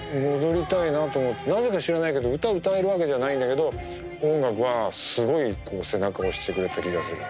なぜか知らないけど歌歌えるわけじゃないんだけど音楽がすごい背中を押してくれた気がする。